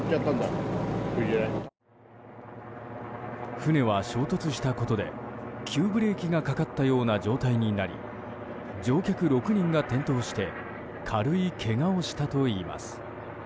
船は衝突したことで急ブレーキがかかったような状態になり乗客６人が転倒して軽いけがをしたといいます。